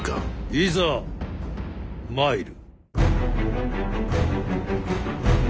いざ参る。